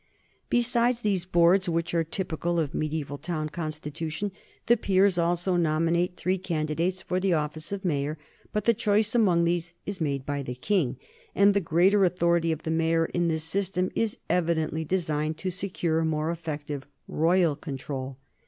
Besides these boards, which are typical of mediaeval town constitutions, the peers also nominate three candidates for the office of mayor, but the choice among these is made by the king, and the greater authority of the mayor in this system is evi dently designed to secure more effective royal control.